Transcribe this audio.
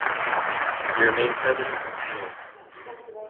He remained president for ten years.